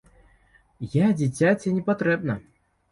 Я дзіцяці не патрэбна.